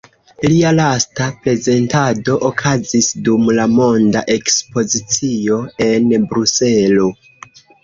Lia lasta prezentado okazis dum la Monda Ekspozicio en Bruselo.